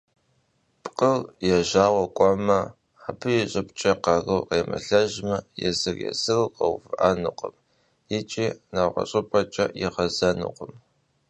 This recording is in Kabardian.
Пкъыр ежьауэ кӏуэмэ, абы и щӏыбкӏэ къару къемылэжьмэ, езыр-езыру къэувыӏэнукъым икӏи нэгъуэщӏыпӏэкӏэ игъэзэнукъым.